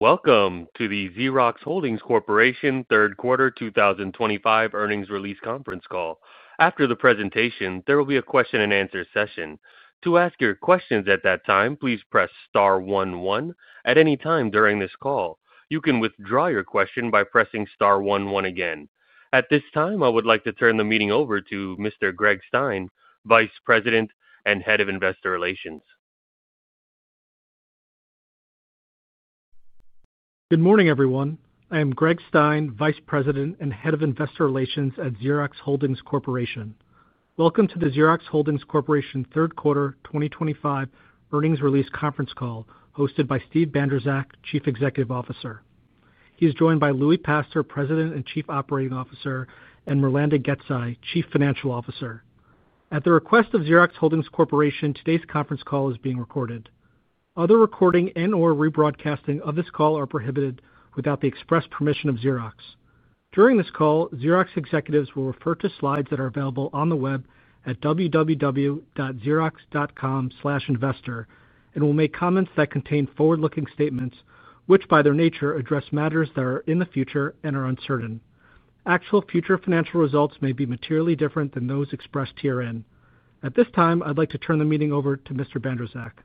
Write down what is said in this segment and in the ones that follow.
Welcome to the Xerox Holdings Corporation Third Quarter 2025 Earnings Release Conference Call. After the presentation, there will be a question-and-answer session. To ask your questions at that time, please press star, one, one. At any time during this call, you can withdraw your question by pressing star, one, one again. At this time, I would like to turn the meeting over to Mr. Greg Stein, Vice President and Head of Investor Relations. Good morning, everyone. I am Greg Stein, Vice President and Head of Investor Relations at Xerox Holdings Corporation. Welcome to the Xerox Holdings Corporation Third Quarter 2025 Earnings Release Conference Call, hosted by Steve Bandrowczak, Chief Executive Officer. He is joined by Louie Pastor, President and Chief Operating Officer, and Mirlanda Gecaj, Chief Financial Officer. At the request of Xerox Holdings Corporation, today's conference call is being recorded. Other recording and/or rebroadcasting of this call are prohibited without the express permission of Xerox. During this call, Xerox executives will refer to slides that are available on the web at www.xerox.com/investor and will make comments that contain forward-looking statements, which by their nature address matters that are in the future and are uncertain. Actual future financial results may be materially different than those expressed herein. At this time, I'd like to turn the meeting over to Mr. Bandrowczak.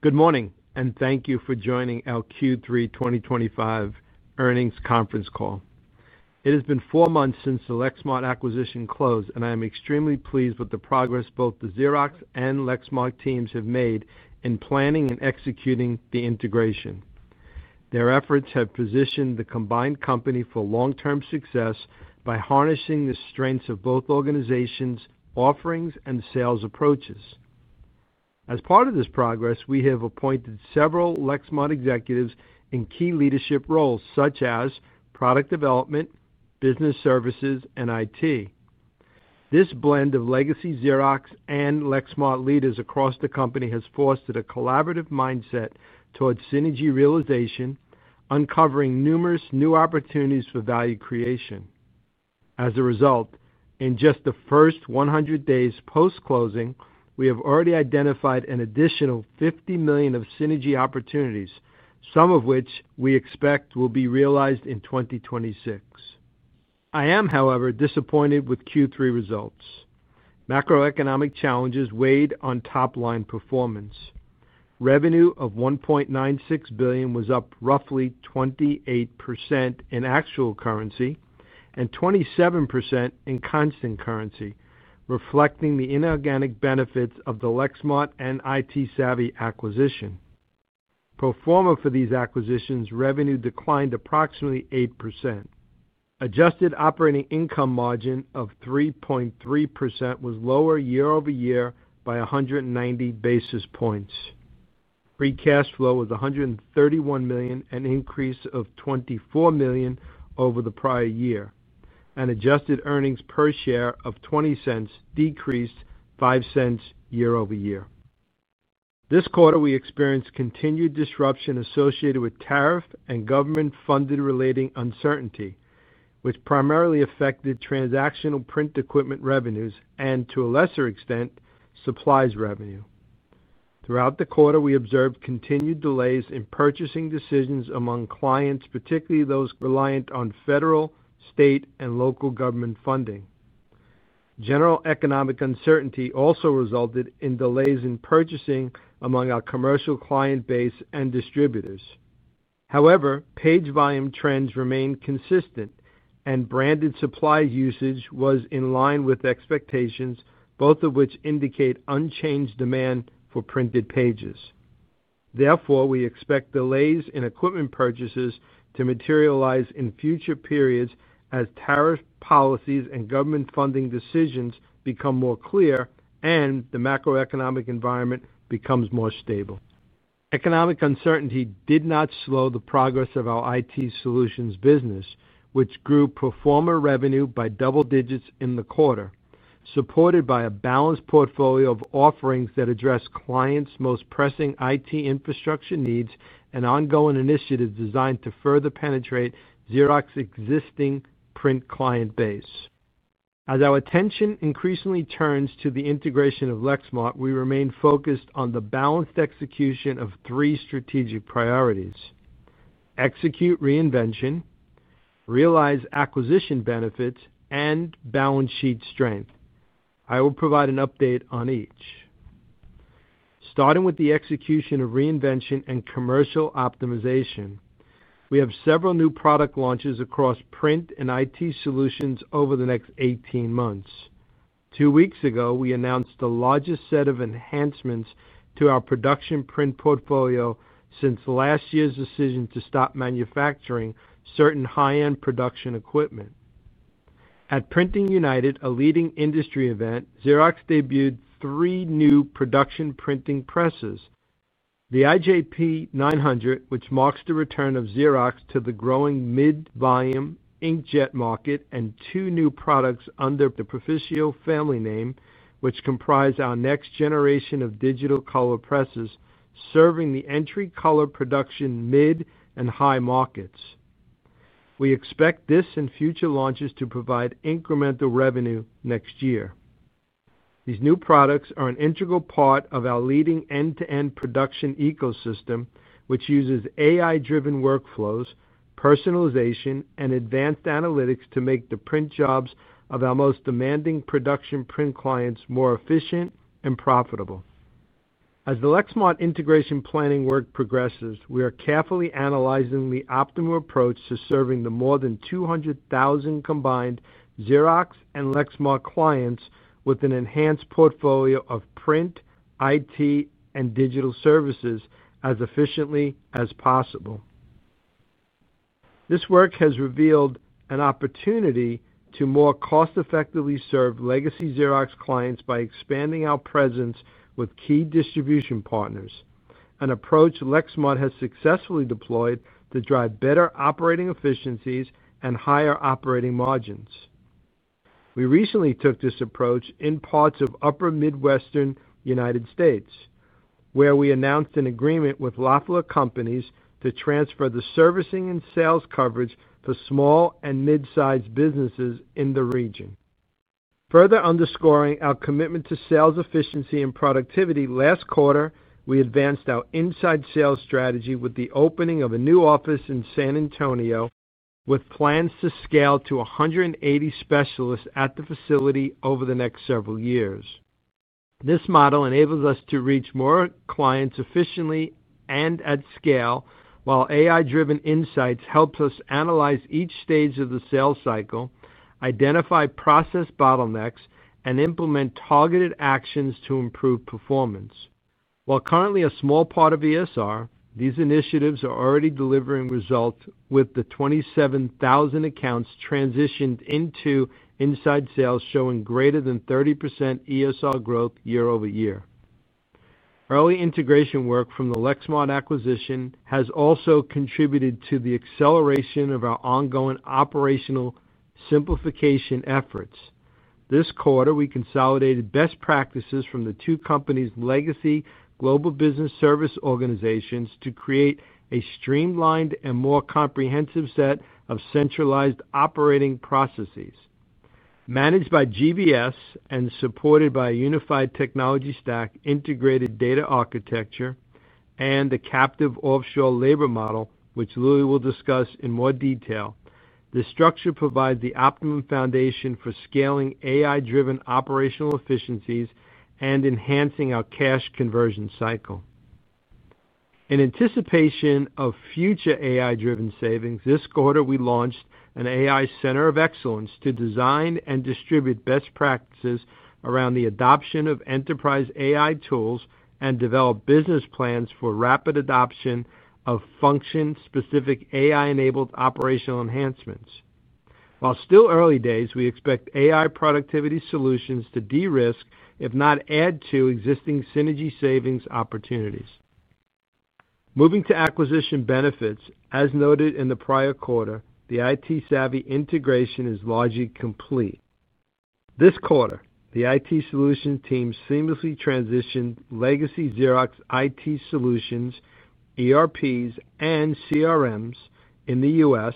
Good morning, and thank you for joining our Q3 2025 Earnings Conference Call. It has been four months since the Lexmark acquisition closed, and I am extremely pleased with the progress both the Xerox and Lexmark teams have made in planning and executing the integration. Their efforts have positioned the combined company for long-term success, by harnessing the strengths of both organizations' offerings and sales approaches. As part of this progress, we have appointed several Lexmark executives in key leadership roles, such as product development, business services, and IT. This blend of legacy Xerox and Lexmark leaders across the company, has fostered a collaborative mindset towards synergy realization, uncovering numerous new opportunities for value creation. As a result, in just the first 100 days post-closing, we have already identified an additional $50 million of synergy opportunities, some of which we expect will be realized in 2026. I am, however, disappointed with Q3 results. Macroeconomic challenges weighed on top line performance. Revenue of $1.96 billion was up roughly 28% in actual currency, and 27% in constant currency, reflecting the inorganic benefits of the Lexmark and ITsavvy acquisition. Pro forma for these acquisitions, revenue declined approximately 8%. Adjusted operating income margin of 3.3% was lower year-over-year by 190 basis points. Free cash flow was $131 million, an increase of $24 million over the prior year and adjusted earnings per share of $0.20 decreased $0.05 year-over-year. This quarter, we experienced continued disruption associated with tariff and government funding-related uncertainty, which primarily affected transactional print equipment revenues, and to a lesser extent, supplies revenue. Throughout the quarter, we observed continued delays in purchasing decisions among clients, particularly those reliant on federal, state, and local government funding. General economic uncertainty also resulted in delays in purchasing among our commercial client base and distributors. However, page volume trends remained consistent and branded supply usage was in line with expectations, both of which indicate unchanged demand for printed pages. Therefore, we expect delays in equipment purchases to materialize in future periods, as tariff policies and government funding decisions become more clear and the macroeconomic environment becomes more stable. Economic uncertainty did not slow the progress of our IT solutions business, which grew pro forma revenue by double digits in the quarter, supported by a balanced portfolio of offerings that address clients' most pressing IT infrastructure needs, and ongoing initiatives designed to further penetrate Xerox existing print client base. As our attention increasingly turns to the integration of Lexmark, we remain focused on the balanced execution of three strategic priorities, execute reinvention, realize acquisition benefits, and balance sheet strength. I will provide an update on each, Starting with the execution of reinvention and commercial optimization, we have several new product launches across print and IT solutions over the next 18 months. Two weeks ago, we announced the largest set of enhancements to our production print portfolio, since last year's decision to stop manufacturing certain high-end production equipment. At PRINTING United, a leading industry event, Xerox debuted three new production printing presses, the IJP 900, which marks the return of Xerox to the growing mid-volume inkjet market, and two new products under the Proficio family name, which comprises our next generation of digital color presses serving the entry color production, mid, and high markets. We expect this and future launches to provide incremental revenue next year. These new products are an integral part of our leading end-to-end production ecosystem, which uses AI-driven workflows, personalization, and advanced analytics to make the print jobs of our most demanding production print clients more efficient and profitable. As the Lexmark integration planning work progresses, we are carefully analyzing the optimal approach to serving the more than 200,000 combined Xerox and Lexmark clients, with an enhanced portfolio of print, IT, and digital services as efficiently as possible. This work has revealed an opportunity to more cost-effectively serve legacy Xerox clients, by expanding our presence with key distribution partners, an approach Lexmark has successfully deployed to drive better operating efficiencies and higher operating margins. We recently took this approach in parts of the upper Midwestern United States, where we announced an agreement with Loffler Companies to transfer the servicing and sales coverage for small and mid-sized businesses in the region. Further underscoring our commitment to sales efficiency and productivity, last quarter we advanced our inside sales strategy with the opening of a new office in San Antonio, with plans to scale to 180 specialists at the facility over the next several years. This model enables us to reach more clients efficiently and at scale, while AI-driven insights help us analyze each stage of the sales cycle, identify process bottlenecks, and implement targeted actions to improve performance. While currently a small part of ESR, these initiatives are already delivering results, with the 27,000 accounts transitioned into inside sales showing greater than 30% ESR growth year-over-year. Early integration work from the Lexmark acquisition has also contributed to the acceleration of our ongoing operational simplification efforts. This quarter, we consolidated best practices from the two companies' legacy Global Business Services organizations, to create a streamlined and more comprehensive set of centralized operating processes, managed by GBS and supported by a unified technology stack, integrated data architecture, and the captive offshore labor model, which Louie will discuss in more detail. This structure provides the optimum foundation for scaling AI-driven operational efficiencies, and enhancing our cash conversion cycle. In anticipation of future AI-driven savings, this quarter we launched an AI Center of Excellence to design and distribute best practices around the adoption of enterprise AI tools, and develop business plans for rapid adoption of function-specific AI-enabled operational enhancements. While still early days, we expect AI productivity solutions to de-risk, if not add to existing synergy savings opportunities. Moving to acquisition benefits, as noted in the prior quarter, the ITsavvy integration is largely complete. This quarter, the IT solutions team seamlessly transitioned legacy Xerox IT solutions, ERPs and CRMs in the U.S.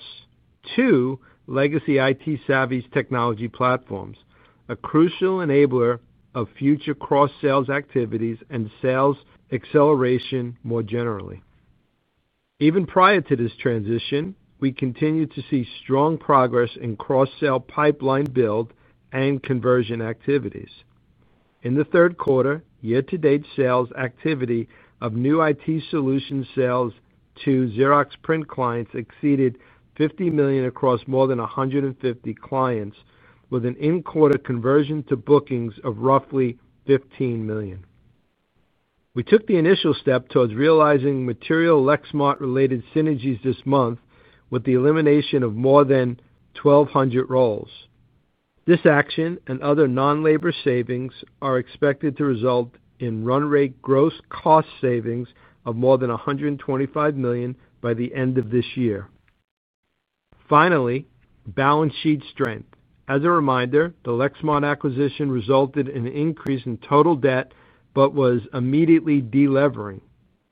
to legacy ITsavvy technology platforms, a crucial enabler of future cross-selling activities and sales acceleration more generally. Even prior to this transition, we continue to see strong progress in cross-sell pipeline build and conversion activities. In the third quarter, year-to-date sales activity of new IT solutions sales to Xerox print clients exceeded $50 million across more than 150 clients, with an in-quarter conversion to bookings of roughly $15 million. We took the initial step towards realizing material Lexmark-related synergies this month, with the elimination of more than 1,200 roles. This action and other non-labor savings are expected to result in run-rate gross cost savings of more than $125 million by the end of this year. Finally, balance sheet strength. As a reminder, the Lexmark acquisition resulted in an increase in total debt, but was immediately delevering.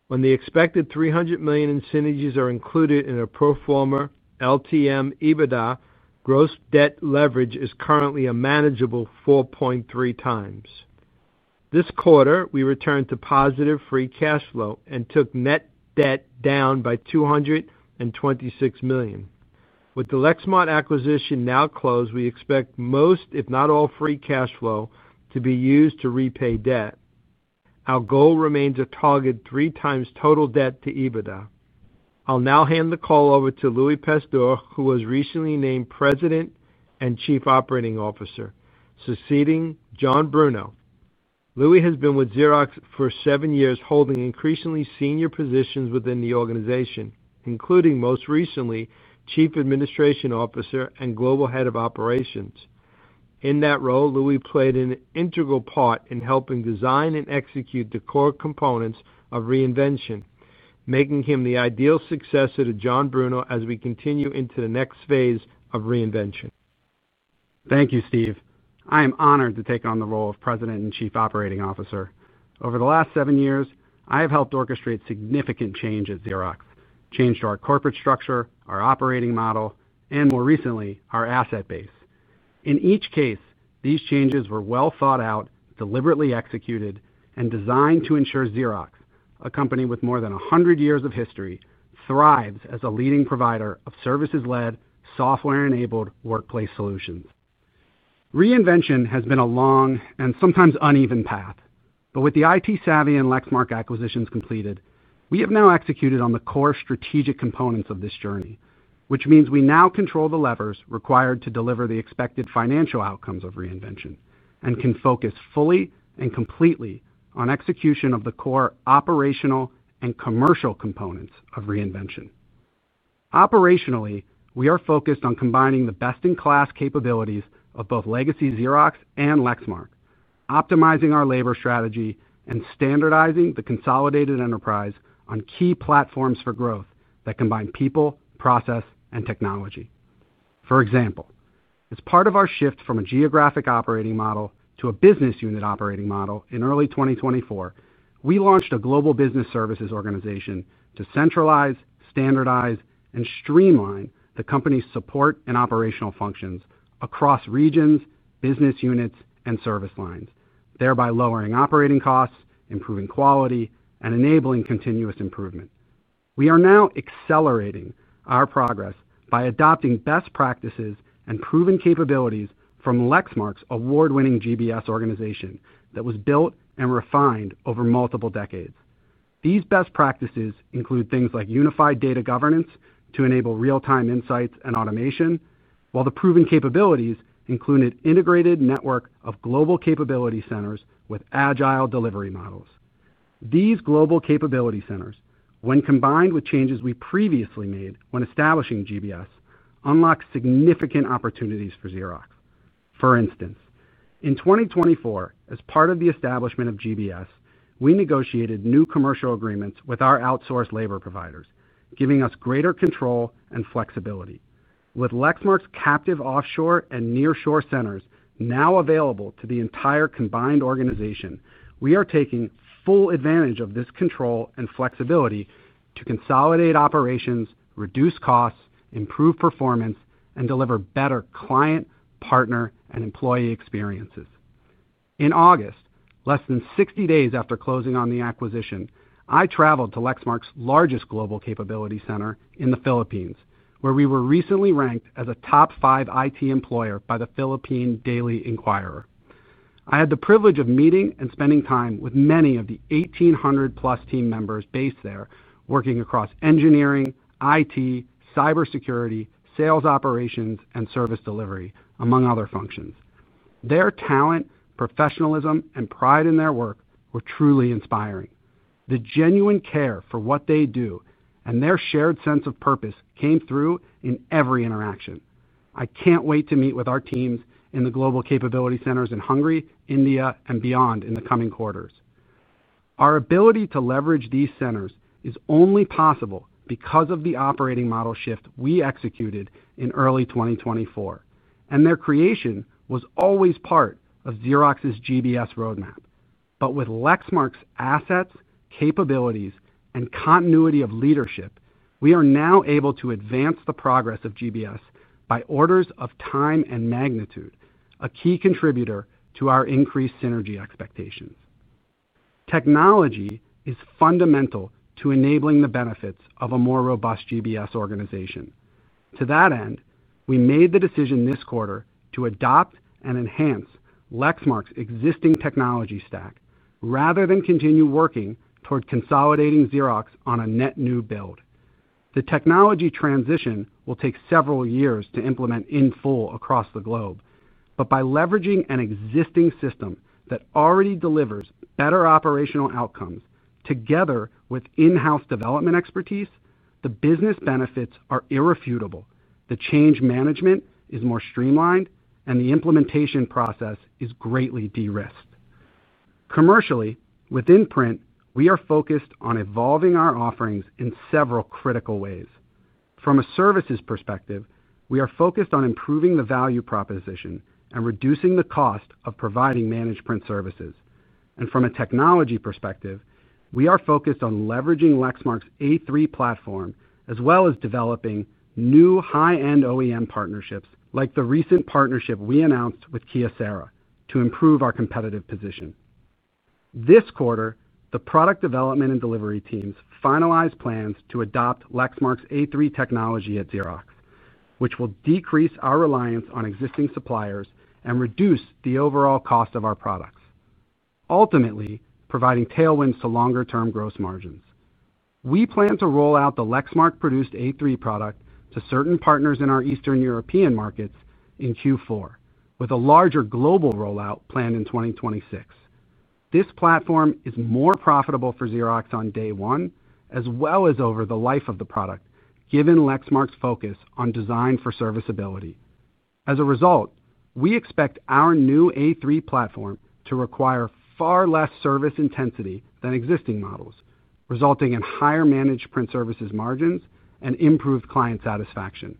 When the expected $300 million in synergies are included in a pro forma LTM EBITDA, gross debt leverage is currently a manageable 4.3x. This quarter, we returned to positive free cash flow and took net debt down by $226 million. With the Lexmark acquisition now closed, we expect most, if not all, free cash flow to be used to repay debt. Our goal remains a target 3x total debt to EBITDA. I'll now hand the call over to Louie Pastor, who was recently named President and Chief Operating Officer, succeeding John Bruno. Louie has been with Xerox for seven years, holding increasingly senior positions within the organization, including most recently Chief Administration Officer and Global Head of Operations. In that role, Louie played an integral part in helping design and execute the core components of Reinvention, making him the ideal successor to John Bruno as we continue into the next phase of Reinvention. Thank you, Steve. I am honored to take on the role of President and Chief Operating Officer. Over the last seven years, I have helped orchestrate significant change at Xerox, change to our corporate structure, our operating model, and more recently, our asset base. In each case, these changes were well thought out, deliberately executed, and designed to ensure Xerox, a company with more than 100 years of history thrives as a leading provider of services-led, software-enabled workplace solutions. Reinvention has been a long and sometimes uneven path, but with the ITsavvy and Lexmark acquisitions completed, we have now executed on the core strategic components of this journey, which means we now control the levers required to deliver the expected financial outcomes of Reinvention, and can focus fully and completely on execution of the core operational and commercial components of Reinvention. Operationally, we are focused on combining the best-in-class capabilities of both legacy Xerox and Lexmark, optimizing our labor strategy, and standardizing the consolidated enterprise on key platforms for growth that combine people, process, and technology. For example, as part of our shift from a geographic operating model to a business unit operating model, in early 2024, we launched a Global Business Services organization to centralize, standardize, and streamline the company's support and operational functions across regions, business units, and service lines, thereby lowering operating costs, improving quality, and enabling continuous improvement. We are now accelerating our progress by adopting best practices and proven capabilities from Lexmark's award-winning GBS organization, that was built and refined over multiple decades. These best practices include things like unified data governance, to enable real-time insights and automation, while the proven capabilities include an integrated network of global capability centers with agile delivery models. These global capability centers, when combined with changes we previously made when establishing GBS, unlock significant opportunities for Xerox. For instance, in 2024, as part of the establishment of GBS, we negotiated new commercial agreements with our outsourced labor providers, giving us greater control and flexibility. With Lexmark's captive offshore and nearshore centers now available to the entire combined organization, we are taking full advantage of this control and flexibility to consolidate operations, reduce costs, improve performance, and deliver better client, partner, and employee experiences. In August, less than 60 days after closing on the acquisition, I traveled to Lexmark's largest global capability center in the Philippines, where we were recently ranked as a top five IT employer by the Philippine Daily Inquirer. I had the privilege of meeting and spending time with many of the 1,800+ team members based there, working across engineering, IT, cybersecurity, sales, operations, and service delivery, among other functions. Their talent, professionalism, and pride in their work were truly inspiring. The genuine care for what they do and their shared sense of purpose came through in every interaction. I can't wait to meet with our teams in the global capability centers in Hungary, India, and beyond in the coming quarters. Our ability to leverage these centers is only possible because of the operating model shift we executed in early 2024, and their creation was always part of Xerox's GBS roadmap. With Lexmark's assets, capabilities, and continuity of leadership, we are now able to advance the progress of GBS, by orders of time and magnitude, a key contributor to our increased synergy expectations. Technology is fundamental to enabling the benefits of a more robust GBS organization. To that end, we made the decision this quarter to adopt and enhance Lexmark's technology stack, rather than continue working toward consolidating Xerox on a net new build. The technology transition will take several years to implement in full across the globe, but by leveraging an existing system that already delivers better operational outcomes, together with in-house development expertise, the business benefits are irrefutable. The change management is more streamlined, and the implementation process is greatly de-risked. Commercially, within print, we are focused on evolving our offerings in several critical ways. From a services perspective, we are focused on improving the value proposition and reducing the cost of providing managed print services. From a technology perspective, we are focused on leveraging Lexmark's A3 platform, as well as developing new high-end OEM partnerships like the recent partnership we announced with Kyocera to improve our competitive position. This quarter, the product development and delivery teams finalized plans to adopt Lexmark's A3 technology at Xerox, which will decrease our reliance on existing suppliers and reduce the overall cost of our products, ultimately providing tailwinds to longer-term gross margins. We plan to roll out the Lexmark-produced A3 product to certain partners in our Eastern European markets in Q4, with a larger global rollout planned in 2026. This platform is more profitable for Xerox on day one, as well as over the life of the product, given Lexmark's focus on design for serviceability. As a result, we expect our new A3 platform to require far less service intensity than existing models, resulting in higher managed print services margins and improved client satisfaction.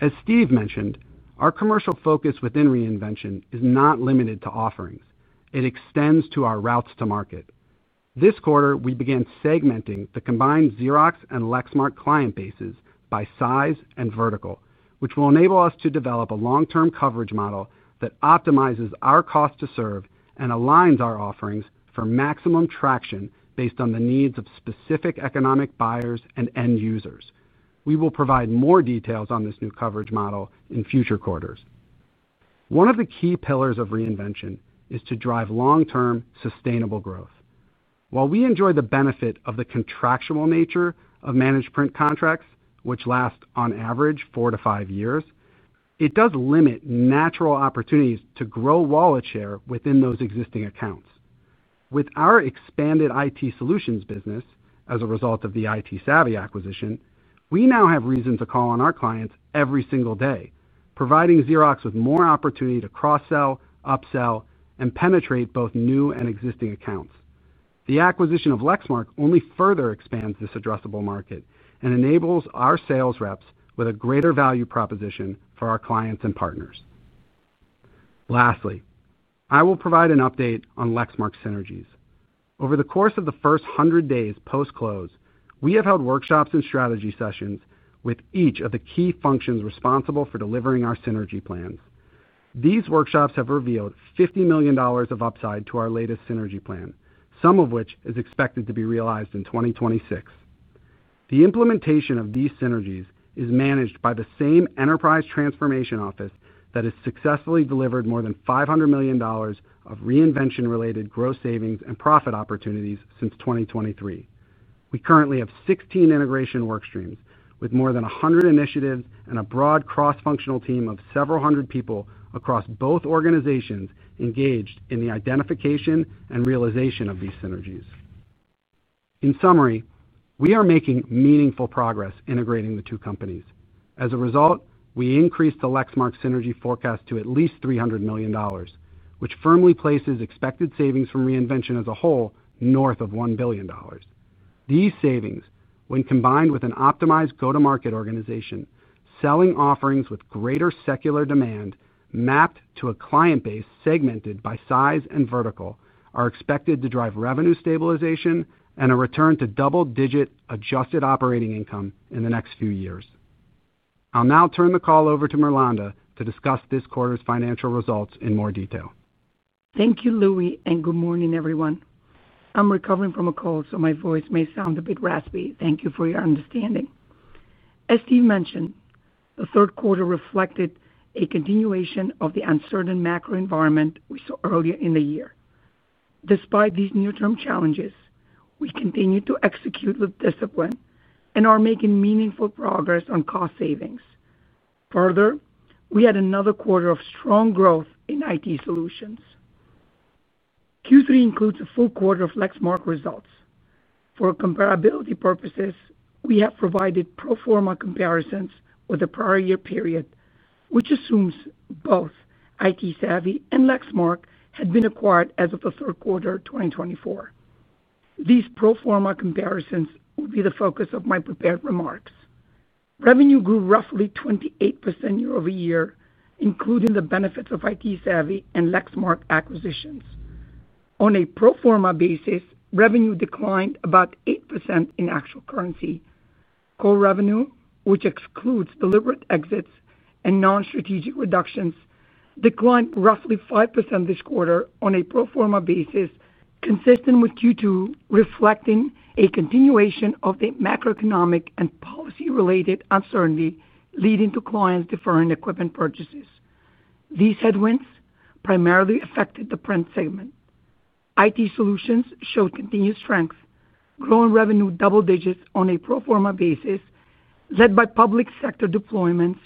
As Steve mentioned, our commercial focus within reinvention is not limited to offerings. It extends to our routes to market. This quarter, we began segmenting the combined Xerox and Lexmark client bases by size and vertical, which will enable us to develop a long term coverage model that optimizes our cost to serve and aligns our offerings for maximum traction, based on the needs of specific economic buyers and end users. We will provide more details on this new coverage model in future quarters. One of the key pillars of reinvention is to drive long-term sustainable growth. While we enjoy the benefit of the contractual nature of managed print contracts, which last on average, four to five years, it does limit natural opportunities to grow wallet share within those existing accounts. With our expanded IT solutions business, as a result of the ITsavvy acquisition, we now have reason to call on our clients every single day, providing Xerox with more opportunity to cross-sell, upsell, and penetrate both new and existing accounts. The acquisition of Lexmark only further expands this addressable market, and enables our sales reps with a greater value proposition for our clients and partners. Lastly, I will provide an update on Lexmark synergies. Over the course of the first 100 days post-close, we have held workshops and strategy sessions with each of the key functions responsible for delivering our synergy plans. These workshops have revealed $50 million of upside to our latest synergy plan, some of which is expected to be realized in 2026. The implementation of these synergies is managed by the same Enterprise Transformation Office, that has successfully delivered more than $500 million of reinvention-related gross savings and profit opportunities since 2023. We currently have 16 integration work streams, with more than 100 initiatives and a broad cross-functional team of several hundred people across both organizations, engaged in the identification and realization of these synergies. In summary, we are making meaningful progress integrating the two companies. As a result, we increased the Lexmark Synergy forecast to at least $300 million, which firmly places expected savings from reinvention as a whole to north of $1 billion. These savings, when combined with an optimized go-to-market organization, selling offerings with greater secular demand mapped to a client base segmented by size and vertical, are expected to drive revenue stabilization and a return to double-digit adjusted operating income in the next few years. I'll now turn the call over to Mirlanda, to discuss this quarter's financial results in more detail. Thank you, Louie. Good morning, everyone. I'm recovering from a cold, so my voice may sound a bit raspy. Thank you for your understanding. As Steve mentioned, the third quarter reflected a continuation of the uncertain macro environment we saw earlier in the year. Despite these near-term challenges, we continue to execute with discipline and are making meaningful progress on cost savings. Further, we had another quarter of strong growth in IT solutions. Q3 includes a full quarter of Lexmark results. For comparability purposes, we have provided pro forma comparisons with the prior year period, which assumes both ITsavvy and Lexmark had been acquired as of the third quarter 2024. These pro forma comparisons will be the focus of my prepared remarks. Revenue grew roughly 28% year-over-year, including the benefits of ITsavvy and Lexmark acquisitions. On a pro forma basis, revenue declined about 8% in actual currency. Core revenue, which excludes deliberate exits and non-strategic reductions, declined roughly 5% this quarter on a pro forma basis, consistent with Q2, reflecting a continuation of the macroeconomic and policy-related uncertainty, leading to clients deferring equipment purchases. These headwinds primarily affected the print segment. IT solutions showed continued strength, growing revenue double digits on a pro forma basis, led by public sector deployments,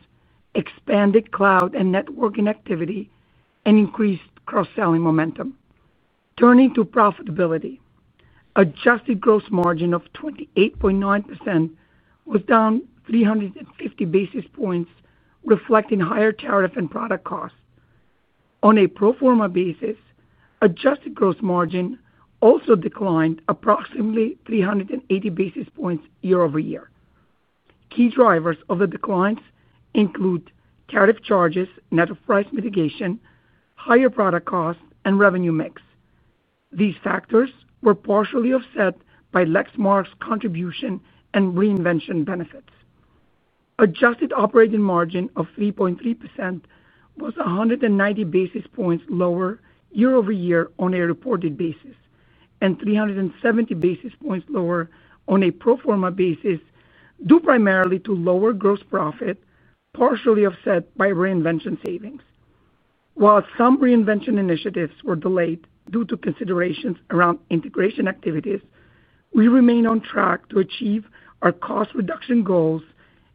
expanded cloud and networking activity, and increased cross-selling momentum. Turning to profitability, adjusted gross margin of 28.9% was down 350 basis points, reflecting higher tariff and product costs on a pro forma basis. Adjusted gross margin also declined approximately 380 basis points year-over-year. Key drivers of the declines include tariff charges, net of price mitigation, higher product cost, and revenue mix. These factors were partially offset by Lexmark's contribution and reinvention benefits. Adjusted operating margin of 3.3% was 190 basis points lower year-over-year on a reported basis and 370 basis points lower on a pro forma basis, due primarily to lower gross profit partially offset by reinvention savings. While some reinvention initiatives were delayed due to considerations around integration activities, we remain on track to achieve our cost reduction goals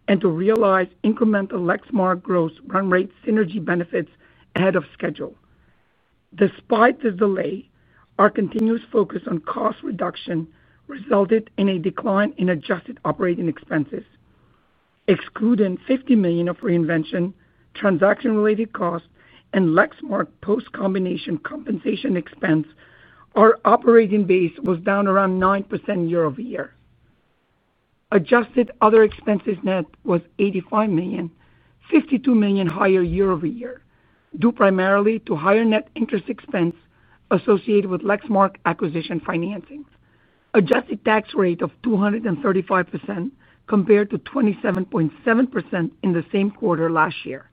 and to realize incremental Lexmark gross run rate synergy benefits ahead of schedule. Despite the delay, our continuous focus on cost reduction resulted in a decline in adjusted operating expenses. Excluding $50 million of reinvention transaction-related costs and Lexmark post-combination compensation expense, our operating base was down around 9% year-over-year. Adjusted other expenses net was $85 million, $52 million higher year-over-year, due primarily to higher net interest expense associated with Lexmark acquisition financing, adjusted tax rate of 235%, compared to 27.7% in the same quarter last year.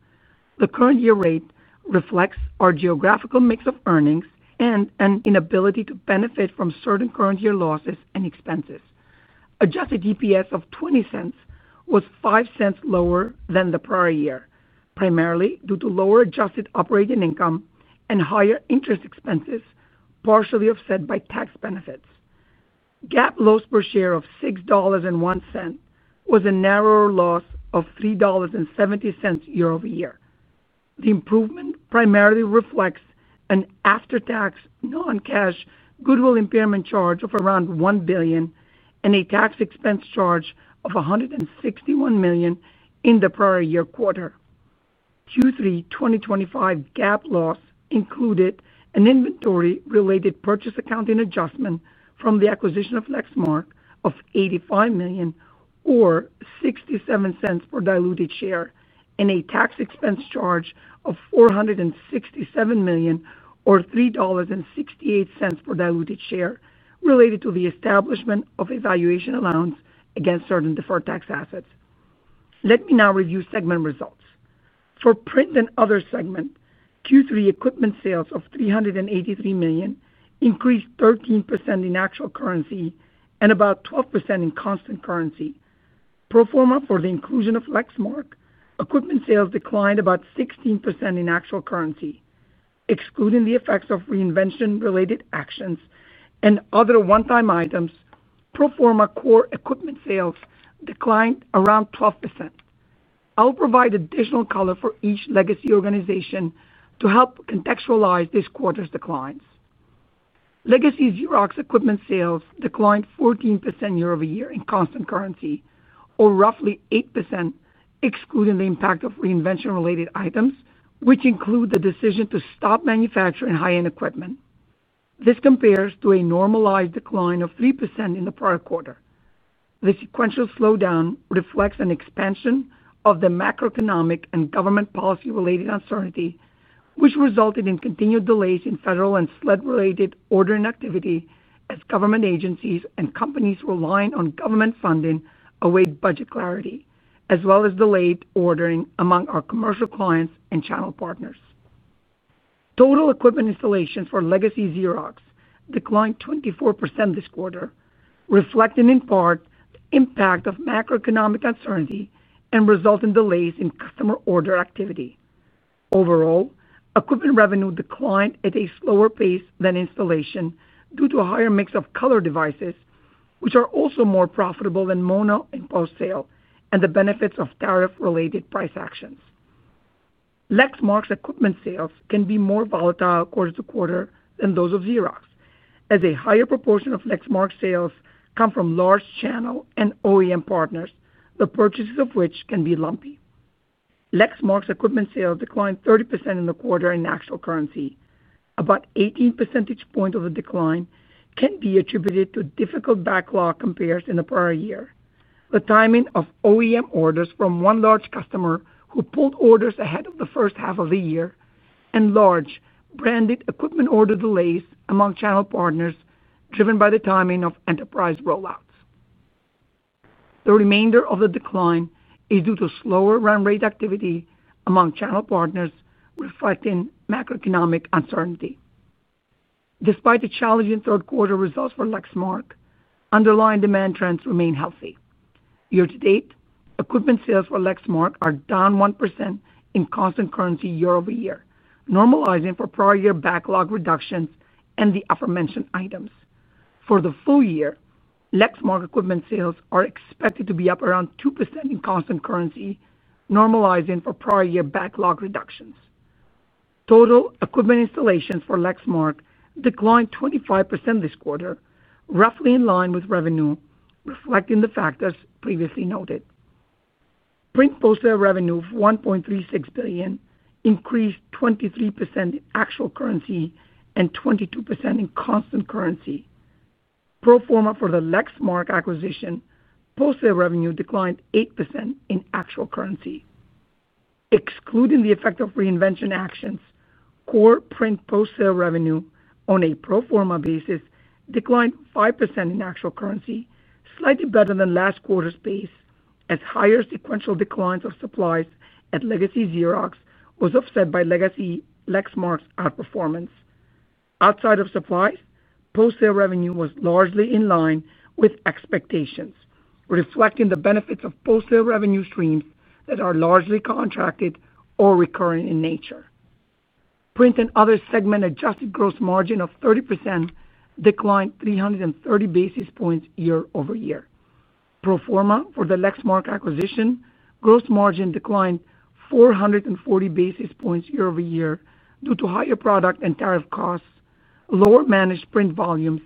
The current year rate reflects our geographical mix of earnings, and an inability to benefit from certain current year losses and expenses. Adjusted EPS of $0.20 was $0.05 lower than the prior year, primarily due to lower adjusted operating income and higher interest expenses, partially offset by tax benefits. GAAP loss per share of $6.01 was a narrower loss of $3.70 year-over-year. The improvement primarily reflects an after-tax non-cash goodwill impairment charge of around $1 billion, and a tax expense charge of $161 million in the prior year quarter. Q3 2025 GAAP loss included an inventory-related purchase accounting adjustment from the acquisition of Lexmark of $85 million, or $0.67 per diluted share and a tax expense charge of $467 million or $3.68 per diluted share, related to the establishment of a valuation allowance against certain deferred tax assets. Let me now review segment results. For print and other segments, Q3 equipment sales of $383 million increased 13% in actual currency and about 12% in constant currency. Pro forma for the inclusion of Lexmark, equipment sales declined about 16% in actual currency, excluding the effects of reinvention-related actions and other one-time items. Pro forma core equipment sales declined around 12%. I'll provide additional color for each legacy organization, to help contextualize this quarter's declines. Legacy Xerox equipment sales declined 14% year-over-year in constant currency or roughly 8%, excluding the impact of reinvention-related items, which include the decision to stop manufacturing high-end equipment. This compares to a normalized decline of 3% in the prior quarter. The sequential slowdown reflects an expansion of the macroeconomic and government policy-related uncertainty, which resulted in continued delays in federal and [SLED]-related ordering activity, as government agencies and companies relying on government funding await budget clarity, as well as delayed ordering among our commercial clients and channel partners. Total equipment installations for Legacy Xerox declined 24% this quarter, reflecting in part, the impact of macroeconomic uncertainty and resulting delays in customer order activity. Overall, equipment revenue declined at a slower pace than installations due to a higher mix of color devices, which are also more profitable than mono in post-sale and the benefits of tariff-related price actions. Lexmark's equipment sales can be more volatile quarter-to-quarter than those of Xerox, as a higher proportion of Lexmark sales come from large channel and OEM partners, the purchases of which can be lumpy. Lexmark's equipment sales declined 30% in the quarter in actual currency. About 18 percentage points of the decline can be attributed to difficult backlog compared to the prior year, the timing of OEM orders from one large customer who pulled orders ahead of the first half of the year, and large branded equipment order delays among channel partners driven by the timing of enterprise rollouts. The remainder of the decline is due to slower run rate activity among channel partners, reflecting macroeconomic uncertainty. Despite the challenging third-quarter results for Lexmark, underlying demand trends remain healthy. Year-to-date, equipment sales for Lexmark are down 1% in constant currency year-over-year, normalizing for prior year backlog reductions and the aforementioned items. For the full year, Lexmark equipment sales are expected to be up around 2% in constant currency, normalizing for prior year backlog reductions. Total equipment installations for Lexmark declined 25% this quarter, roughly in line with revenue, reflecting the factors previously noted. Print posted a revenue of $1.36 billion, increased 23% in actual currency and 22% in constant currency. Pro forma for the Lexmark acquisition, post-sale revenue declined 8% in actual currency. Excluding the effect of reinvention actions, core print post-sale revenue on a pro forma basis declined 5% in actual currency, slightly better than last quarter's pace, as higher sequential declines of supplies at Legacy Xerox was offset by Legacy Lexmark's outperformance outside of supplies. Post-sale revenue was largely in line with expectations, reflecting the benefits of post-sale revenue streams that are largely contracted or recurring in nature. Print and other segment adjusted gross margin of 30% declined 330 basis points year-over-year. Pro forma for the Lexmark acquisition, gross margin declined 440 basis points year-over-year due to higher product and tariff costs, lower managed print volumes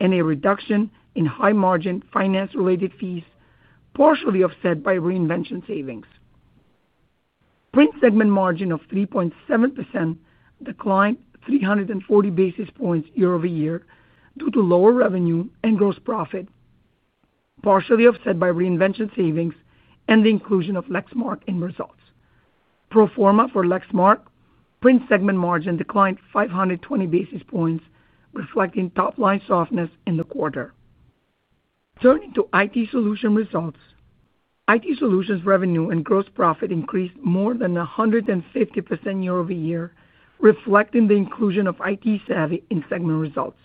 and a reduction in high-margin finance-related fees, partially offset by reinvention savings. Print segment margin of 3.7% declined 340 basis points year-over-year due to lower revenue and gross profit, partially offset by reinvention savings and the inclusion of Lexmark in results. Pro forma for Lexmark, print segment margin declined 520 basis points, reflecting top-line softness in the quarter. Turning to IT Solutions results, IT Solutions revenue and gross profit increased more than 150% year-over-year, reflecting the inclusion of ITsavvy in segment results.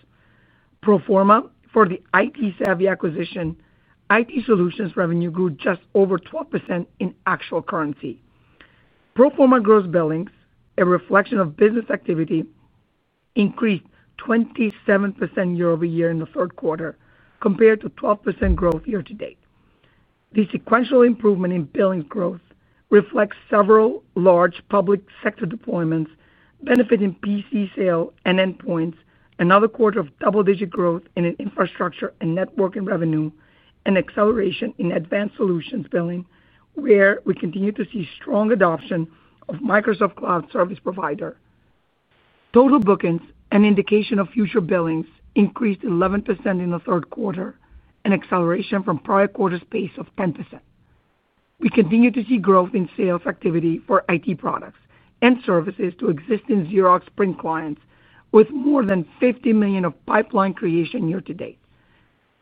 Pro forma for the ITsavvy acquisition, IT Solutions revenue grew just over 12% in actual currency. Pro forma gross billings, a reflection of business activity, increased 27% year-over-year in the third quarter compared to 12% growth year-to-date. The sequential improvement in billings growth reflects several large public sector deployments, benefiting PC sale and endpoints, another quarter of double digit growth in infrastructure and networking revenue, and an acceleration in advanced solutions billing, where we continue to see strong adoption of Microsoft cloud service provider. Total bookings, an indication of future billings, increased 11% in the third quarter, an acceleration from prior quarter's pace of 10%. We continue to see growth in sales activity for IT products and services to existing Xerox print clients, with more than $50 million of pipeline creation year-to-date.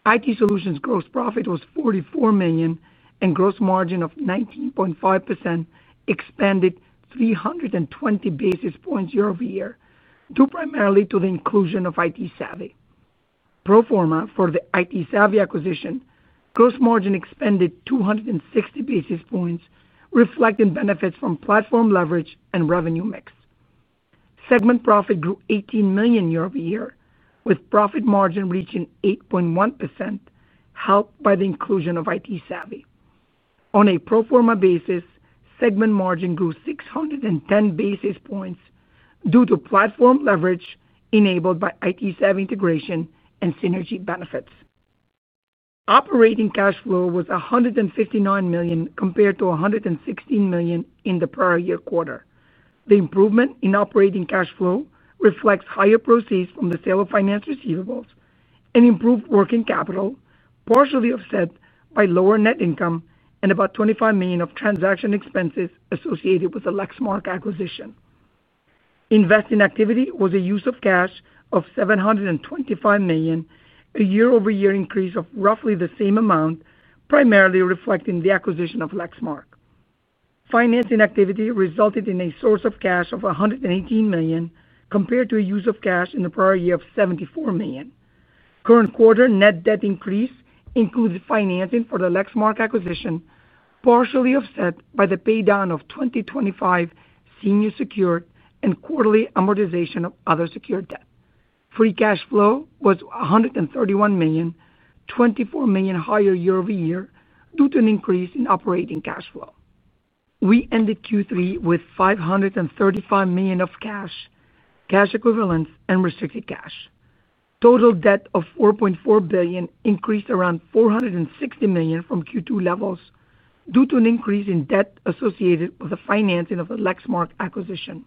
IT Solutions gross profit was $44 million and gross margin of 19.5%, expanded 320 basis points year-over-year due primarily to the inclusion of ITsavvy. Pro forma for the ITsavvy acquisition, gross margin expanded 260 basis points, reflecting benefits from platform leverage and revenue mix. Segment profit grew $18 million year-over-year, with profit margin reaching 8.1%, helped by the inclusion of ITsavvy. On a pro forma basis, segment margin grew 610 basis points due to platform leverage enabled by ITsavvy integration and synergy benefits. Operating cash flow was $159 million compared to $116 million in the prior year quarter. The improvement in operating cash flow reflects higher proceeds from the sale of financed receivables and improved working capital, partially offset by lower net income and about $25 million of transaction expenses associated with the Lexmark acquisition. Investing activity was a use of cash of $725 million, a year-over-year increase of roughly the same amount, primarily reflecting the acquisition of Lexmark. Financing activity resulted in a source of cash of $118 million, compared to a use of cash in the prior year of $74 million. Current quarter net debt increase includes financing for the Lexmark acquisition, partially offset by the paydown of 2025 senior secured and quarterly amortization of other secured debt. Free cash flow was $131 million, $24 million higher year-over-year due to an increase in operating cash flow. We ended Q3 with $535 million of cash, cash equivalents, and restricted cash. Total debt of $4.4 billion increased around $460 million from Q2 levels, due to an increase in debt associated with the financing of the Lexmark acquisition.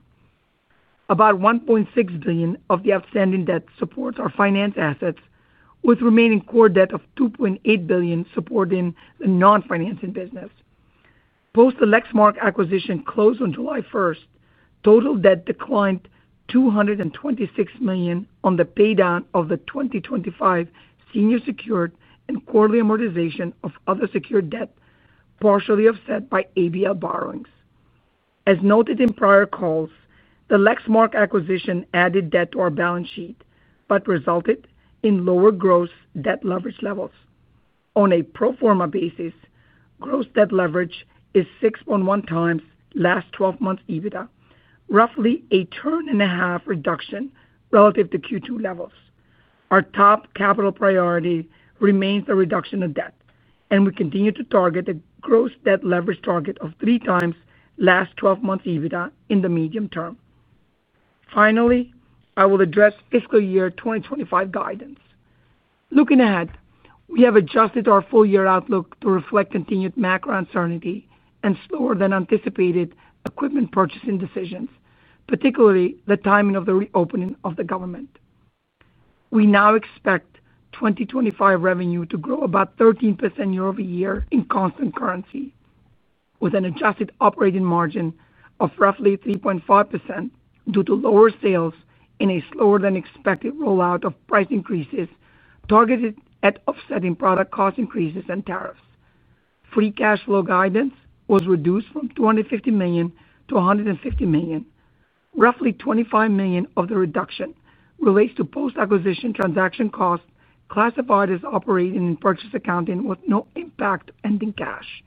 About $1.6 billion of the outstanding debt supports our finance assets, with remaining core debt of $2.8 billion supporting the non-financing business. Post the Lexmark acquisition closed on July 1, total debt declined $226 million on the paydown of the 2025 senior secured and quarterly amortization of other secured debt, partially offset by ABL borrowings. As noted in prior calls, the Lexmark acquisition added debt to our balance sheet, but resulted in lower gross debt leverage levels. On a pro forma basis, gross debt leverage is 6.1x last 12 months EBITDA, roughly a turn and a half reduction relative to Q2 levels. Our top capital priority remains the reduction of debt, and we continue to target a gross debt leverage target of 3x last 12 months EBITDA in the medium term. Finally, I will address fiscal year 2025 guidance. Looking ahead, we have adjusted our full-year outlook to reflect continued macro uncertainty, and slower-than-anticipated equipment purchasing decisions, particularly the timing of the reopening of the government. We now expect 2025 revenue to grow about 13% year-over-year in constant currency, with an adjusted operating margin of roughly 3.5% due to lower sales and a slower-than-expected rollout of price increases, targeted at offsetting product cost increases and tariffs. Free cash flow guidance was reduced from $250 million to $150 million. Roughly $25 million of the reduction relates to post-acquisition transaction costs, classified as operating in purchase accounting with no impact on ending cash.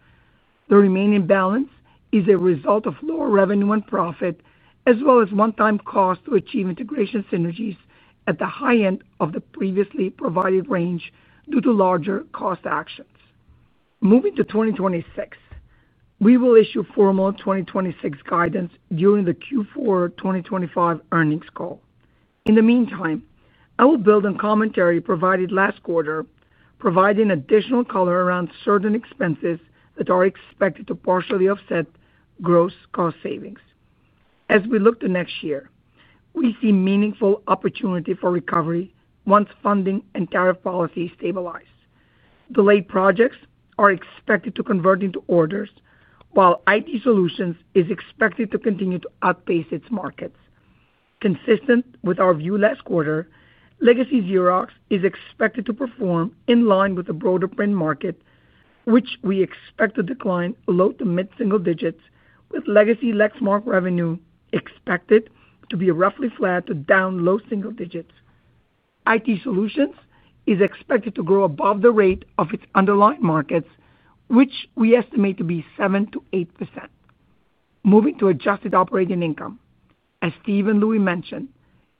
The remaining balance is a result of lower revenue and profit, as well as one-time cost to achieve integration synergies at the high end of the previously provided range due to larger cost actions. Moving to 2026, we will issue formal 2026 guidance during the Q4 2025 earnings call. In the meantime, I will build on commentary provided last quarter, providing additional color around certain expenses that are expected to partially offset gross cost savings. As we look to next year, we see meaningful opportunity for recovery once funding and tariff policies stabilize. Delayed projects are expected to convert into orders, while IT solutions is expected to continue to outpace its markets. Consistent with our view last quarter, Legacy Xerox is expected to perform in line with the broader print market, which we expect to decline low to mid-single digits, with legacy Lexmark revenue expected to be roughly flat to down low-single digits. IT solutions is expected to grow above the rate of its underlying markets, which we estimate to be 7%-8%. Moving to adjusted operating income. As Steve and Louie mentioned,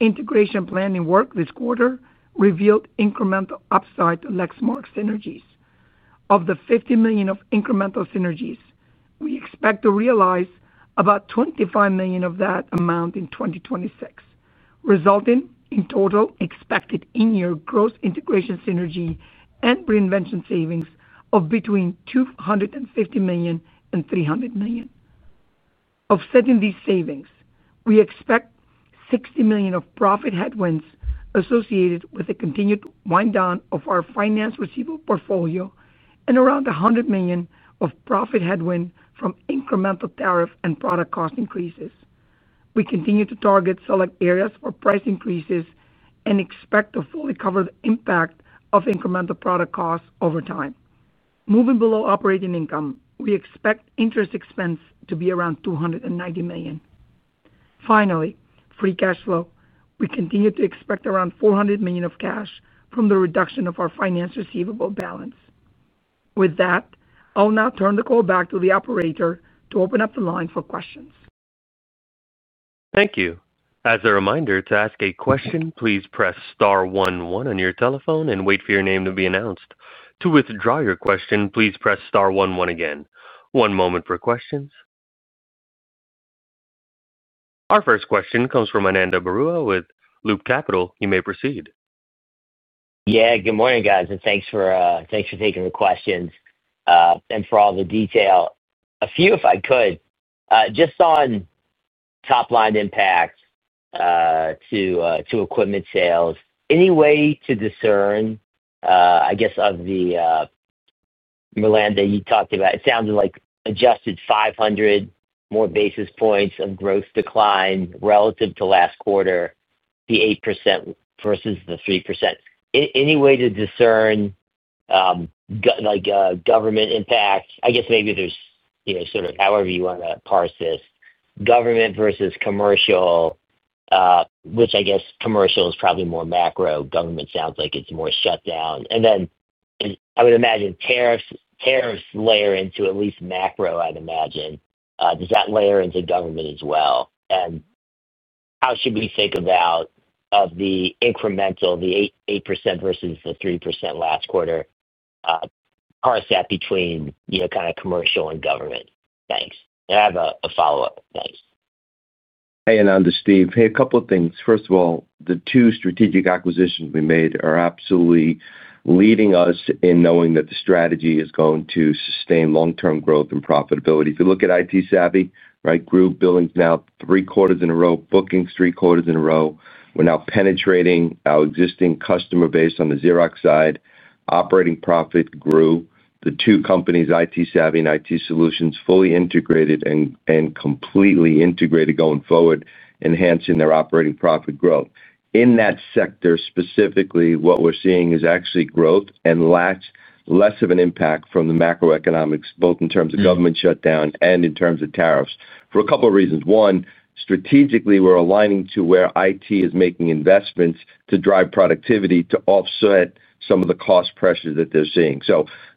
integration planning work this quarter revealed incremental upside to Lexmark synergies. Of the $50 million of incremental synergies, we expect to realize about $25 million of that amount in 2026, resulting in total expected in-year gross integration synergy, and reinvention savings of between $250 million-$300 million. Offsetting the savings, we expect $60 million of profit headwinds associated with a continued wind-down of our finance receivable portfolio and around $100 million of profit headwind from incremental tariff and product cost increases. We continue to target select areas for price increases, and expect a fully covered impact of incremental product costs over time. Moving below operating income, we expect interest expense to be around $290 million. Finally, free cash flow. We continue to expect around $400 million of cash from the reduction of our finance receivable balance. With that, I will now turn the call back to the operator to open up the line for questions. Thank you. As a reminder to ask a question, please press star, one, one on your telephone and wait for your name to be announced. To withdraw your question, please press star, one, one again. One moment for questions. Our first question comes from Ananda Baruah with Loop Capital. You may proceed. Yeah. Good morning, guys. ,Thanks for taking the questions and for all the detail. A few, if I could, just on top line impact to equipment sales, I guess Mirlanda, you talked about, it sounded like adjusted 500 more basis points of gross decline relative to last quarter, the 8% versus the 3%. Any way to discern government impact? I guess maybe however you want to parse this, government versus commercial, which I guess commercial is probably more macro. Government sounds like it's more shutdown. I would imagine tariffs layer into at least macro. I'd imagine, does that layer into government as well? How should we think about the incremental, the 8% versus the 3% last quarter? Parse that between kind of commercial and government. Thanks, and I have a follow-up. Thanks. Hey, Ananda. It's Steve. Hey, a couple of things. First of all, the two strategic acquisitions we made are absolutely leading us in knowing that the strategy is going to sustain long-term growth and profitability. If you look at ITsavvy, right? Group billings now, three quarters in a row. Bookings three quarters in a row. We're now penetrating our existing customer base. On the Xerox side, operating profit grew. The two companies, ITsavvy and IT Solutions fully integrated and completely integrated going forward, enhancing their operating profit growth. In that sector, specifically what we're seeing is actually growth, and less of an impact from the macroeconomics both in terms of government shutdown and in terms of tariffs, for a couple of reasons. One, strategically, we're aligning to where IT is making investments to drive productivity to offset some of the cost pressures that they're seeing.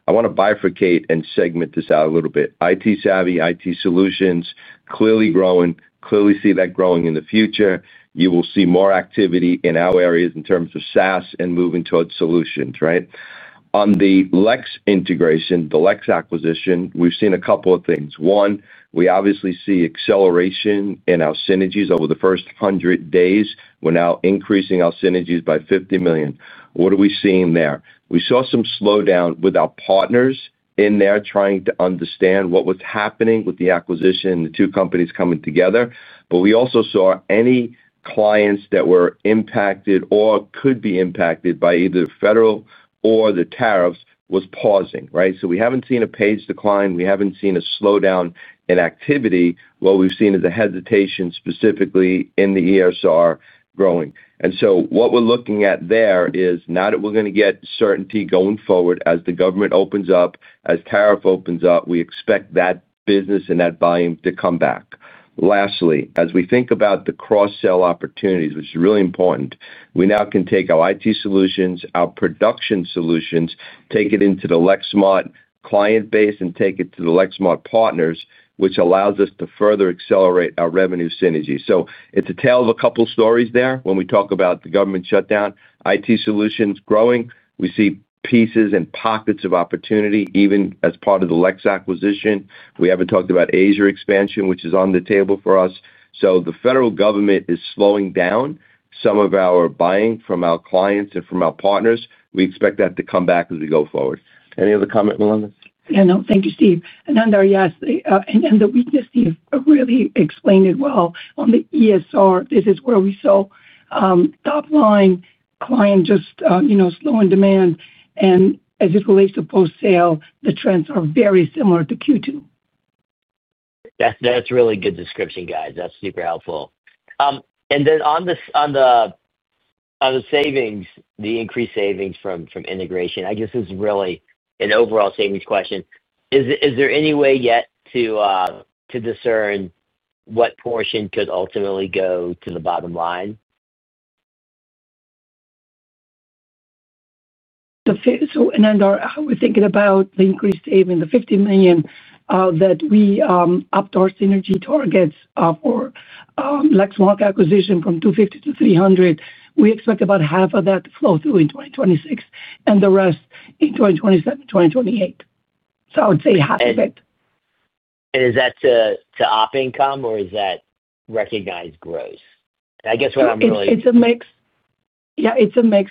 I want to bifurcate and segment this out a little bit. ITsavvy, IT Solutions, clearly growing, clearly see that growing. In the future, you will see more activity in our areas in terms of SaaS and moving towards solutions. On the Lexmark integration, the Lexmark acquisition, we've seen a couple of things. One, we obviously see acceleration in our synergies over the first hundred days. We're now increasing our synergies by $50 million. What are we seeing there? We saw some slowdown with our partners in there, trying to understand what was happening with the acquisition, the two companies coming together. We also saw any clients that were impacted or could be impacted by either federal or the tariffs were pausing. We haven't seen a page decline, we haven't seen a slowdown in activity. What we've seen is a hesitation specifically in the ESR growing. What we're looking at there is, now that we're going to get certainty going forward as the government opens up, as tariff opens up, we expect that business and that volume to come back. Lastly, as we think about the cross-selling opportunities, which is really important, we now can take our IT solutions, our production solutions, take it into the Lexmark client base and take it to the Lexmark partners, which allows us to further accelerate our revenue synergy. It's a tale of a couple stories there. When we talk about the government shutdown, IT solutions growing, we see pieces and pockets of opportunity. Even as part of the Lexmark acquisition, we haven't talked about Asia expansion, which is on the table for us. The federal government is slowing down some of our buying from our clients and from our partners. We expect that to come back as we go forward. Any other comment, Mirlanda? No. Thank you, Steve. Ananda, yes. The weakness, Steve really explained it well on the ESR. This is where we saw top line client just slow in demand, and as it relates to post-sale, the trends are very similar to Q2. That's a really good description, guys. That's super helpful. On the savings, the increased savings from integration, I guess it's really an overall savings question. Is there any way yet to discern what portion could ultimately go to the bottom line? Ananda, we're thinking about the increased saving, the $50 million that we upped our synergy targets for the Lexmark acquisition from $250 million to $300 million. We expect about half of that to flow in 2026 and the rest in 2027, 2028. I would say half of it. Is that to OP income or is that recognized gross?. It's a mix. Yeah, it's a mix.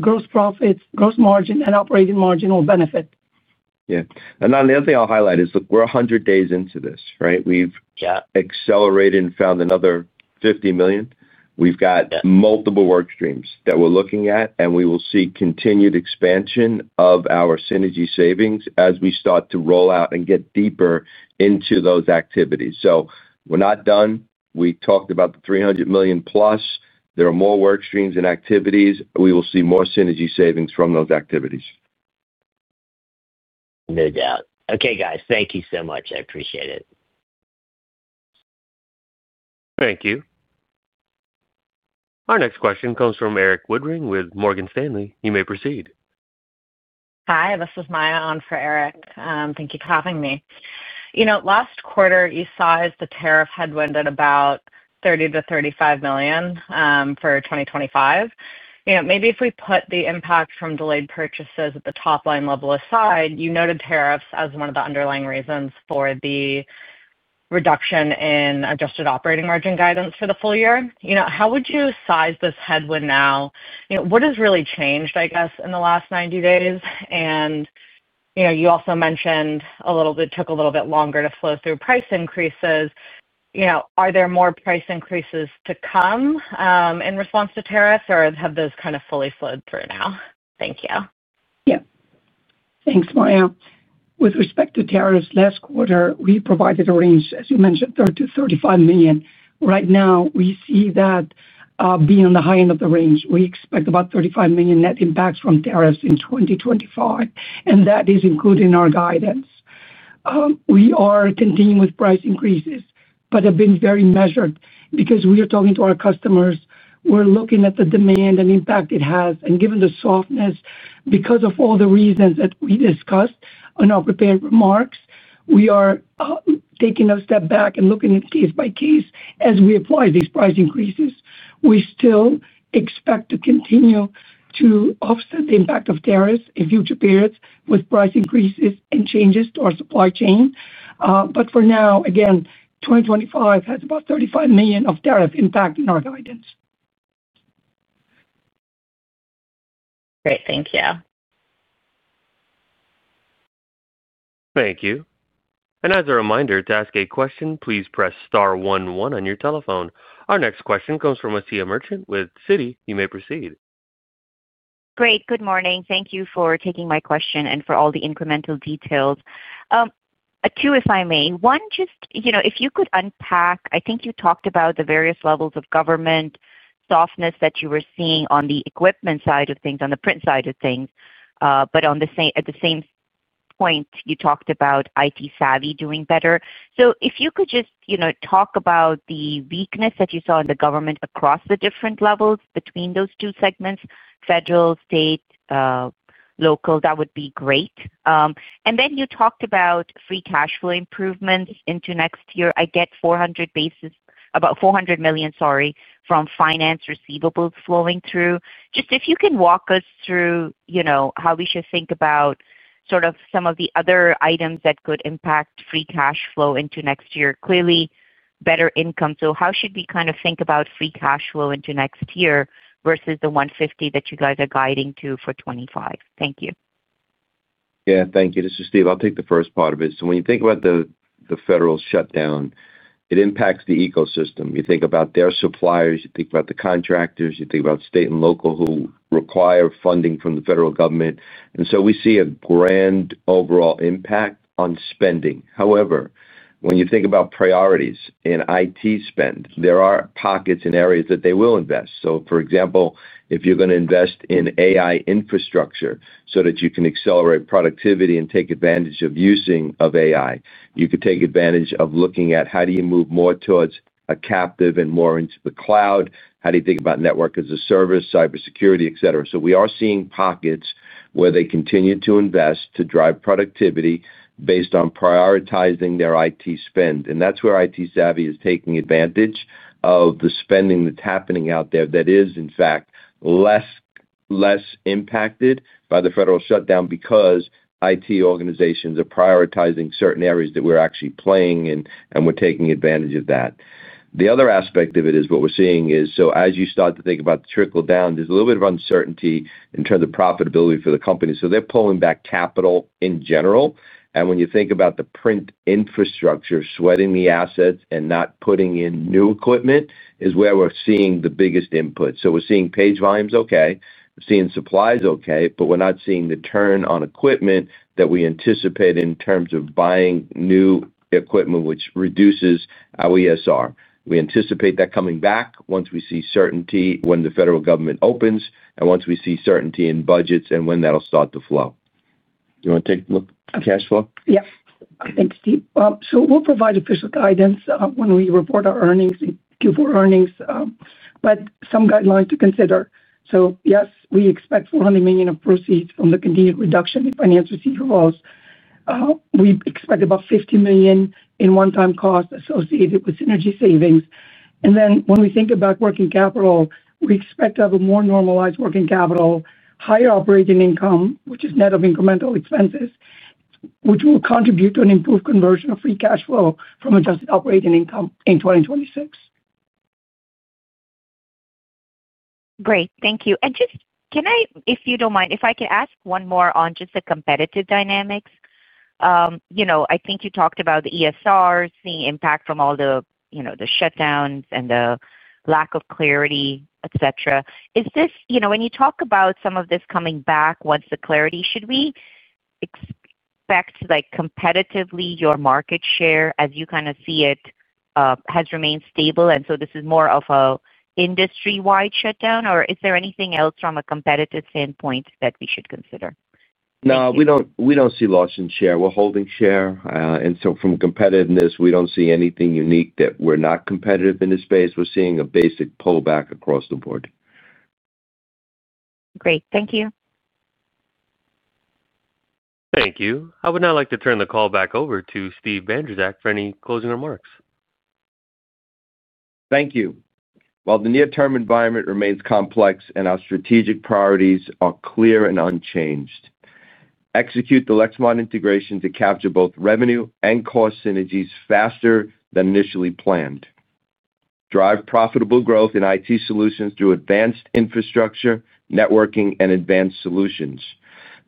Gross margin, and operating margin will benefit. Yeah. The other thing I'll highlight is, look, we're 100 days into this, right? We've accelerated and found another $50 million. We've got multiple work streams that we're looking at, and we will see continued expansion of our synergy savings, as we start to roll out and get deeper into those activities. We're not done. We talked about $300+ million. There are more work streams and activities. We will see more synergy savings from those activities. No doubt. Okay, guys, thank you so much. I appreciate it. Thank you. Our next question comes from Erik Woodring with Morgan Stanley. You may proceed. Hi, this is Maya on for Erik. Thank you for having me. Last quarter, you saw the tariff headwind at about $30 million-$35 million for 2025. Maybe if we put the impact from delayed purchases at the top line level aside, you noted tariffs as one of the underlying reasons for the reduction in adjusted operating margin guidance for the full year. How would you size this headwind now? What has really changed in the last 90 days? You also mentioned it took a little bit longer to flow through price increases. Are there more price increases to come in response to tariffs, or have those fully flowed through now? Thank you. Yeah. Thanks, Maya. With respect to tariffs, last quarter we provided a range, as you mentioned, $30 million-$35 million. Right now, we see that being on the high end of the range. We expect about $35 million net impacts from tariffs in 2025, and that is including our guidance. We are continuing with price increases, but have been very measured because we are talking to our customers. We're looking at the demand and impact it has. Given the softness, because of all the reasons that we discussed on our prepared remarks, we are taking a step back and looking at case by case as we apply these price increases. We still expect to continue to offset the impact of tariffs in future periods, with price increases and changes to our supply chain. For now, again, 2025 has about $35 million of tariff impact in our guidance. Great, thank you. Thank you. As a reminder, to ask a question, please press star, one, one on your telephone. Our next question comes from [crosstalk[ with Citi. You may proceed. Great. Good morning. Thank you for taking my question and for all the incremental details. Two, if I may. One, just if you could unpack, I think you talked about the various levels of government softness that you were seeing on the equipment side of things, on the print side of things, but at the same point, you talked about ITsavvy doing better. If you could just talk about the weakness that you saw in the government across the different levels between those two segments, federal, state, local, that would be great. You talked about free cash flow improvements into next year. I get about $400 million, sorry, from finance receivables flowing through. Just, if you can walk us through how we should think about some of the other items that could impact free cash flow into next year. Clearly, better income. How should we kind of think about free cash flow into next year versus the $150 million that you guys are guiding to for 2025? Thank you. Yeah. Thank you. This is Steve. I'll take the first part of it. When you think about the federal shutdown, it impacts the ecosystem. You think about their suppliers, you think about the contractors, you think about state and local who require funding from the federal government. We see a grand overall impact on spending. However, when you think about priorities in IT spend, there are pockets in areas that they will invest. For example, if you're going to invest in AI infrastructure so that you can accelerate productivity and take advantage of using AI, you could take advantage of looking at, how do you move more towards a captive and ore into the cloud, how do you think about network as a service, cybersecurity, etc? We are seeing pockets where they continue to invest to drive productivity based on prioritizing their IT spend. That's where ITsavvy is taking advantage of the spending that's happening out there, that is in fact less impacted by the federal shutdown because IT organizations are prioritizing certain areas that we're actually playing in and we're taking advantage of that. The other aspect of it is what we're seeing, is as you start to think about the trickle down, there's a little bit of uncertainty in terms of profitability for the company. They're pulling back capital in general. When you think about the print infrastructure, sweating the assets and not putting in new equipment is where we're seeing the biggest input. We're seeing page volumes okay, seeing supplies okay, but we're not seeing the turn on equipment that we anticipate in terms of buying new equipment which reduces our ESR. We anticipate that coming back, once we see certainty when the federal government opens and once we see certainty in budgets, and when that'll start to flow. Do you want to take a look at cash flow? Yeah. Thanks, Steve. We'll provide official guidance when we report our Q4 earnings, but some guidelines to consider. Yes, we expect $400 million of proceeds from the continued reduction in finance receivables. We expect about $50 million in one-time costs, associated with synergy savings. When we think about working capital, we expect to have a more normalized working capital, higher operating income, which is net of incremental expenses, which will contribute to an improved conversion of free cash flow from adjusted operating income in 2026. Great, thank you. If you don't mind, if I can ask one more on just the competitive dynamics. I think you talked about the ESR seeing impact from all the shutdowns and the lack of clarity, etc. When you talk about some of this coming back once the clarity, should we expect competitively your market share, as you kind of see it, has remained stable and so this is more of an industry-wide shutdown, or is there anything else from a competitive standpoint that we should consider? No, we don't see loss in share. We're holding share. From competitiveness, we don't see anything unique that we're not competitive in this space. We're seeing a basic pullback across the board. Great, thank you. Thank you. I would now like to turn the call back over to Steve Bandrowczak, for any closing remarks. Thank you. Well, the near-term environment remains complex and our strategic priorities are clear and unchanged. Execute the Lexmark integration to capture both revenue and cost synergies faster than initially planned. Drive profitable growth in IT solutions through advanced infrastructure, networking and advanced solutions.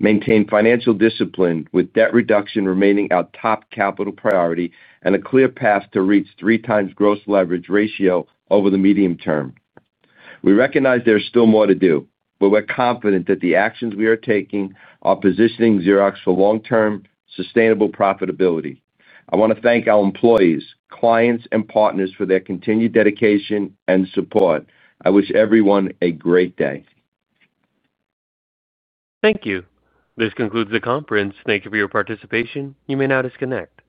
Maintain financial discipline, with debt reduction remaining our top capital priority and a clear path to reach 3x gross debt leverage ratio over the medium term. We recognize there's still more to do, but we're confident that the actions we are taking are positioning Xerox for long-term sustainable profitability. I want to thank our employees, clients and partners for their continued dedication and support. I wish everyone a great day. Thank you. This concludes the conference. Thank you for your participation. You may now disconnect.